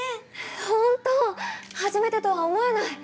ほんと初めてとは思えない！